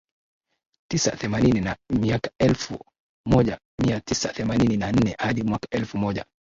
tisa themanini Miaka elfu moja mia tisa themanini na nne hadi mwaka elfu moja